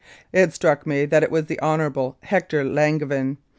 It struck me that it was the Honourable Hector Langevin.